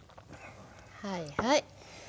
はいはい。